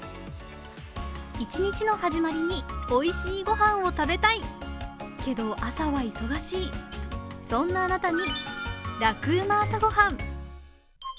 一日の始まりにおいしい御飯を食べたい、けど朝は忙しいそんなあなたに。